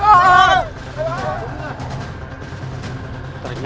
ampul ya emang